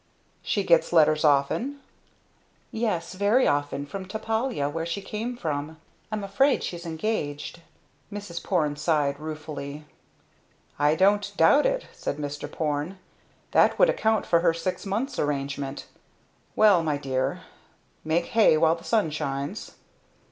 "She gets letters often?" "Yes very often from Topolaya where she came from. I'm afraid she's engaged." Mrs. Porne sighed ruefully. "I don't doubt it!" said Mr. Porne. "That would account for her six months' arrangement! Well, my dear make hay while the sun shines!"